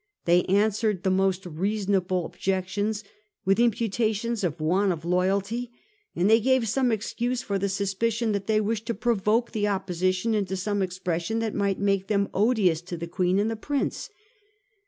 They answered the most reasonable objections with imputations of want of loyalty ; and they gave some excuse for the suspicion that they wished to provoke the Opposition into some expres sion that might make them odious to the Queen and the Prince.